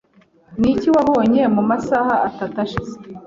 Niki wabonye mu masaha atatu ashize?